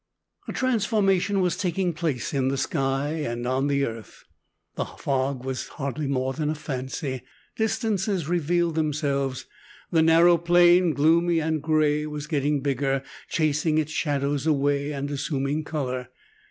A transformation was taking place in the sky and on the earth. The fog was hardly more than a fancy. Distances revealed themselves. The narrow plain, gloomy and gray, was getting bigger, chasing its shadows away, and assuming color.